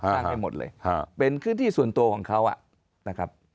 สร้างให้หมดเลยเป็นคือที่ส่วนตัวของเขานะครับ